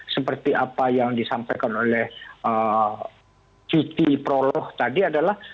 seperti apa yang disampaikan oleh citi proloh tadi adalah